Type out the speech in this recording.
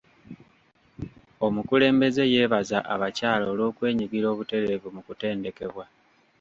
Omukulembeze yeebaza abakyala olw'okwenyigira obutereevu mu kutendekebwa.